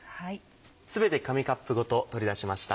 全て紙カップごと取り出しました。